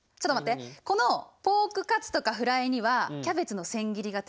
このポークカツとかフライにはキャベツの千切りが定番だよね？